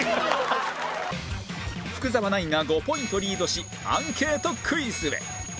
福澤ナインが５ポイントリードしアンケートクイズへ